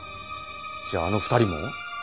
じゃああの２人も？